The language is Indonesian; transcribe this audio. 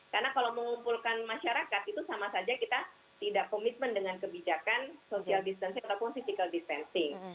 karena kalau mengumpulkan masyarakat itu sama saja kita tidak komitmen dengan kebijakan social distancing ataupun physical distancing